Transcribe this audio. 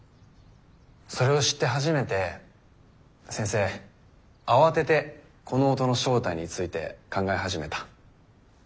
それを知って初めて先生慌ててこの音の正体について考え始めた。